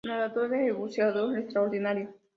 Nadador y buceador extraordinario.